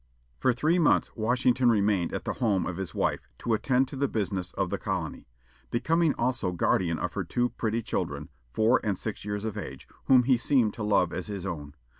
For three months Washington remained at the home of his wife, to attend to the business of the colony; becoming also guardian of her two pretty children, four and six years of age, whom he seemed to love as his own.